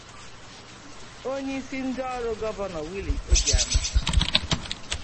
onyeisi ndị ọrụ Gọvanọ Willie Obianọ